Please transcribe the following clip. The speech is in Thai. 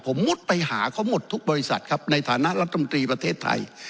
ผมมุดไปหาเขาหมดทุกบริษัทครับในฐานะรัฐมนตรีประเทศไทย